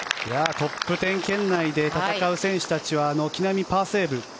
トップ１０圏内で戦う選手たちは軒並みパーセーブ。